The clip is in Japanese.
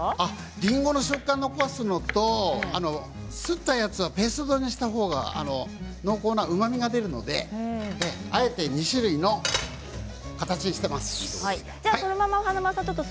りんごの食感を残すのとすったものはペースト状にしてあって濃厚なうまみが出ますのであえて２種類の形にしています。